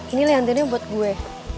ini leontinnya buat gue